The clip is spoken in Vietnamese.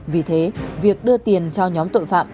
vì thế việc đưa tiền cho nhóm tội phạm